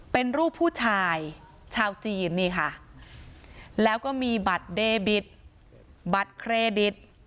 เป็นรูปผู้ชายชาวจีนนี่ค่ะแล้วก็มีบัตรเดบิตบัตรเครดิต